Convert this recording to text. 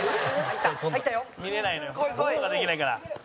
他の事ができないから。